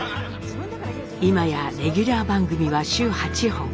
今やレギュラー番組は週８本。